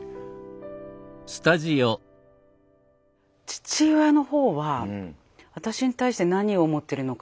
父親の方は私に対して何を思ってるのかって